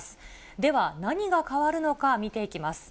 では、何が変わるのか見ていきます。